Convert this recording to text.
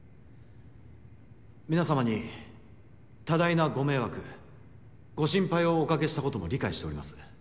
皆さまに多大なご迷惑ご心配をおかけしたことも理解しております。